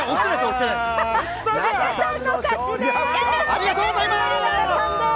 ありがとうございます！